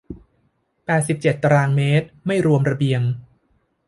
แปดสิบเจ็ดตารางเมตร ไม่รวมระเบียง